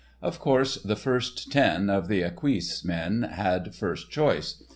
Of course the first ten of the esquisse men had first choice.